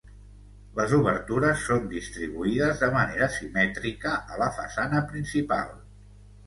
Les obertures són distribuïdes de manera simètrica a la façana principal.